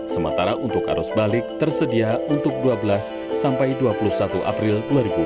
sementara untuk arus balik tersedia untuk dua belas sampai dua puluh satu april dua ribu dua puluh